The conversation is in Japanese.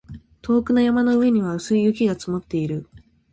遠くの山の上には薄い雪が積もっている